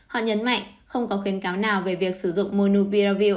họ nhấn mạnh không có khuyến cáo nào về việc sử dụng monubiraville